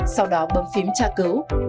sau đó bấm phím tra cứu